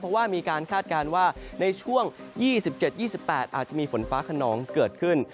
เพราะว่ามีการคาดการณ์ว่าในช่วง๒๗๒๘อาจจะมีฝนฟ้าขนองเกิดขึ้น